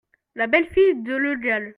La belle-fille de Le Gall.